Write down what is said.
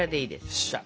よっしゃ。